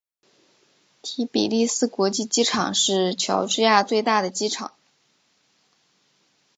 提比利斯国际机场是乔治亚最大的机场。